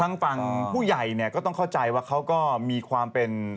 ทางฝั่งผู้ใหญ่เนี่ยก็ต้องเข้าใจว่าเขาก็มีความเป็น